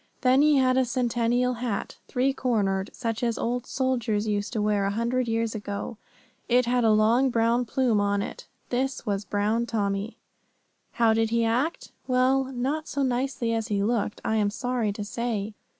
Then he had a Centennial hat, three cornered, such as old soldiers used to wear a hundred years ago; it had a long brown plume on it. This was Brown Tommy. How did he act? Well, not so nicely as he looked, I am sorry to say.